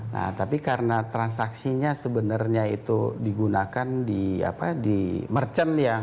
nah tapi karena transaksinya sebenarnya itu digunakan di merchant